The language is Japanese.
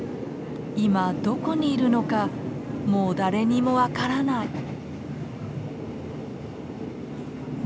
今どこにいるのかもう誰にも分からない。